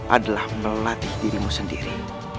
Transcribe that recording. adalah melatih dirimu sendiri